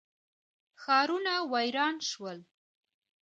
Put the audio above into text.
ښارونه ویران شول.